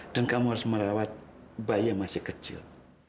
dan kamu harus merawat bayi yang masih kecil